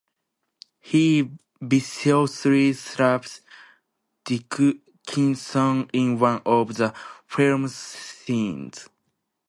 He viciously slaps Dickinson in one of the film's scenes.